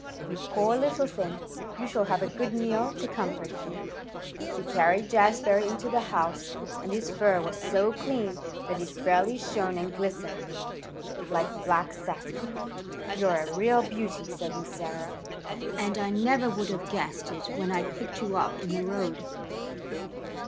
You poor little thing! You shall have a good meal to comfort you." She carried Jazbury into the house, and his fur was so clean that it fairly shone and glistened like black satin. "You're a real beauty," said Miss Sarah, "and I never would have guessed it when I picked you up in the road."